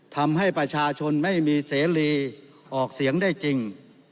ทำให้ประชาชนไม่มีเสรีออกเสียงได้จริง